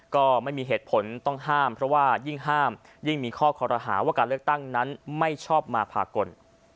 ก็ไม่มีเหตุผลต้องห้ามเพราะว่ายิ่งห้ามยิ่งมีข้อคอรหาว่าการเลือกตั้งนั้นไม่ชอบมาพากล